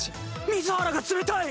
水原が冷たい！